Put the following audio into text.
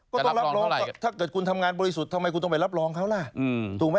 ก็ต้องรับรองถ้าเกิดคุณทำงานบริสุทธิ์ทำไมคุณต้องไปรับรองเขาล่ะถูกไหม